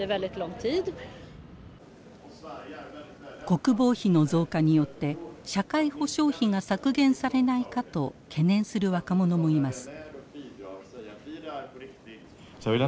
国防費の増加によって社会保障費が削減されないかと懸念する若者もいます。